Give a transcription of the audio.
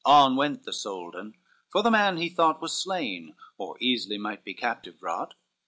On went the Soldan, for the man he thought Was slain, or easily might be captive brought.